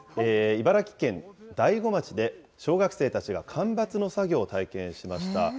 茨城県大子町で、小学生たちが間伐の作業を体験しました。